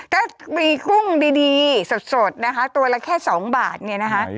ถ้ามีกุ้งดีสดนะคะตัวละแค่๒บาทเนี่ยนะคะ